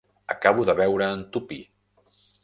Acabo de veure en Tuppy.